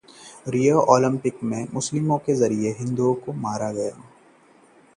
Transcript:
रियो Olympic: तैराकी में शिवानी और साजन पेश करेंगे भारत की दावेदारी